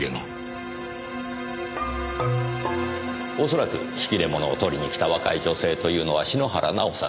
恐らく引き出物を取りに来た若い女性というのは篠原奈緒さんでしょう。